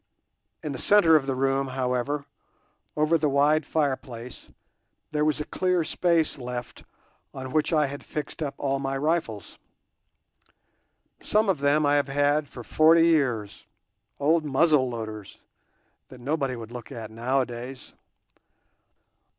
In the centre of the room, however, over the wide fireplace, there was a clear space left on which I had fixed up all my rifles. Some of them I have had for forty years, old muzzle loaders that nobody would look at nowadays.